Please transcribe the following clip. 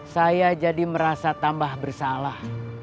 saya jadi merasa tambah bersalah